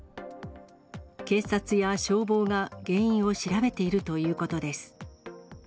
警察や消防が原因を調べているということです。